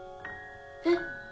えっ。